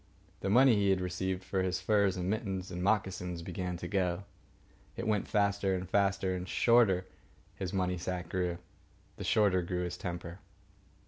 The money he had received for his furs and mittens and moccasins began to go. It went faster and faster, and the shorter his money sack grew, the shorter grew his temper.